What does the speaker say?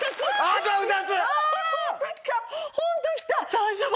大丈夫？